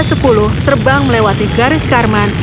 saat hercules sepuluh terbang melewati garis karman